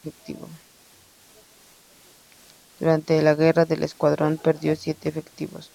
Durante esa guerra el Escuadrón perdió siete efectivos.